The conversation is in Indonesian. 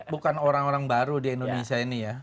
bukan orang orang baru di indonesia ini ya